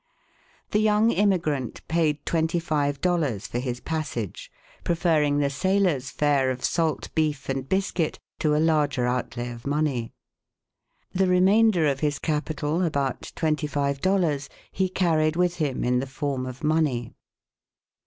The young immigrant paid twenty five dollars for his passage, preferring the sailor's fare 44 England and America of salt beef and biscuit to a larger outlay of money. The remainder of his capital, about twenty five dollars, he carried with him in the form of money.